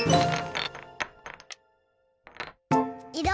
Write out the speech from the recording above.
いろ